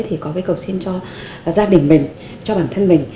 thì có cái cầu xin cho gia đình mình cho bản thân mình